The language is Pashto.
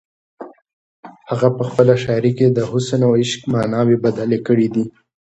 هغه په خپله شاعري کې د حسن او عشق ماناوې بدلې کړې دي.